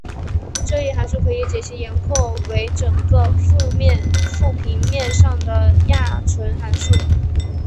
这一函数可以解析延拓为整个复平面上的亚纯函数。